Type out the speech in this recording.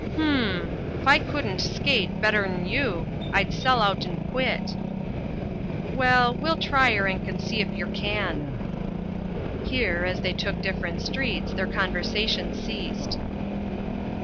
"H'm, ficoodn't skate better'n you I'd sell out'n'quit." "Well, we'll tryeranc'n'seefyercan." Here, as they took different streets, their conversation ceased.